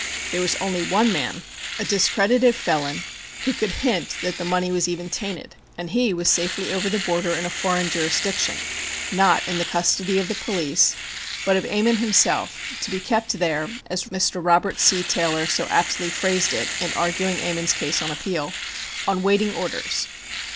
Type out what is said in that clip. There was only one man a discredited felon, who could hint that the money was even "tainted," and he was safely over the border, in a foreign jurisdiction, not in the custody of the police, but of Ammon himself, to be kept there (as Mr. Robert C. Taylor so aptly phrased it in arguing Ammon's case on appeal) "on waiting orders.